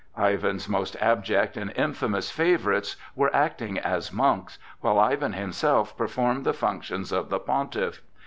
Ivan's most abject and infamous favorites were acting as monks, while Ivan himself performed the functions of the pontiff.